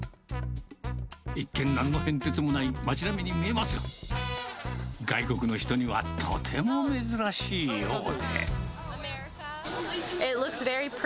一見、何の変哲もない街並みに見えますが、外国の人には、とても珍しいようで。